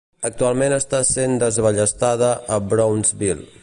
Actualment està sent desballestada a Brownsville.